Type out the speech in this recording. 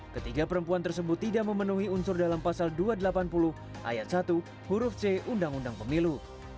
ketiga perempuan tersebut tidak memenuhi unsur dalam pasal dua ratus delapan puluh ayat satu huruf c undang undang pemilu